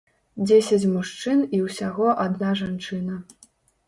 Дзесяць мужчын і ўсяго адна жанчына.